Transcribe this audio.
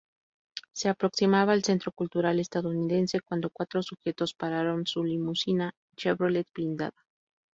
Se aproximaba al centro cultural estadounidense cuando cuatro sujetos pararon su limusina Chevrolet blindada.